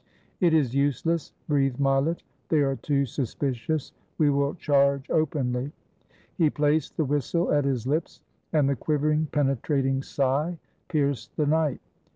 "It is useless," breathed Mileflf. "They are too sus picious. We will charge, openly." He placed the whistle at his lips, and the quivering, penetrating sigh pierced the night.